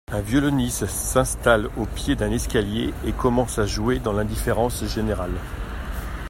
Un violoniste s'installe au pied d'un escalier et commence à jouer dans l'indifférence générale.